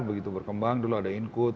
begitu berkembang dulu ada input